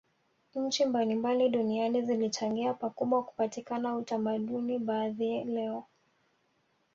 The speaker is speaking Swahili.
Nchi mbalimbali duniani zilichangia pakubwa kupatikana utamaduni baadhi leo